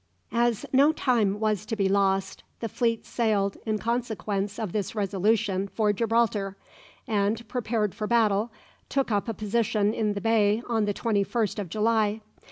As no time was to be lost, the fleet sailed in consequence of this resolution for Gibraltar, and, prepared for battle, took up a position in the bay on the 21st of July.